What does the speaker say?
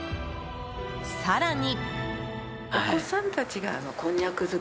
更に。